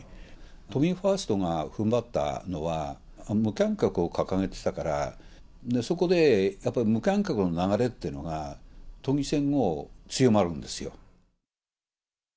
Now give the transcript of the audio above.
都民ファーストがふんばったのは、無観客を掲げてたから、そこでやっぱり無観客の流れっていうのが、都議選後強まるんですよ。